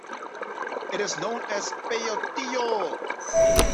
It is known as "Peyotillo".